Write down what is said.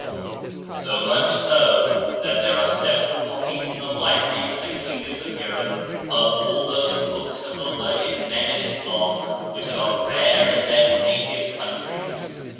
101 Digitized by Google MYSTERIOUS FORCES So much so, that there are several copies in the libraries of the kingdoms of Europe, of all those books of the learned men of Islam which are rare in their native countries.